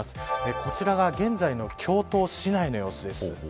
こちらが現在の京都市内の様子です。